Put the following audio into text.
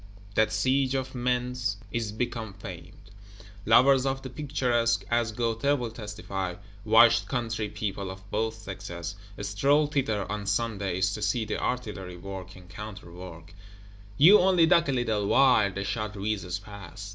That Siege of Mentz is become famed; lovers of the Picturesque (as Goethe will testify), washed country people of both sexes, stroll thither on Sundays, to see the artillery work and counter work; "you only duck a little while the shot whizzes past."